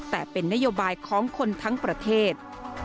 แต่เป็นนโยบายของคนทั้งประเทศ